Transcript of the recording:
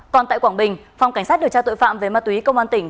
còn tại quảng bình phòng cảnh sát điều tra tội phạm về ma túy công an tỉnh